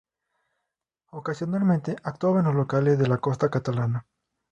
Ocasionalmente actuaba en locales de la costa catalana.